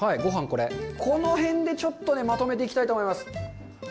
これこの辺でちょっとねまとめていきたいと思います